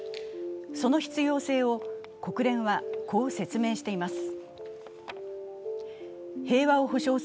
その必要性を国連はこう説明しています。